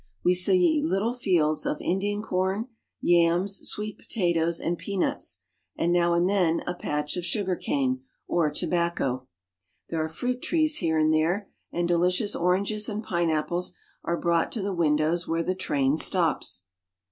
We see little fields of Indian com, yams, sweet potatoes, and peanuts, and now and then a patch of sugar cane or tobacco. There are fruit trees here and there; and delicious oranges and pineapples are brought to the windows when the train stops.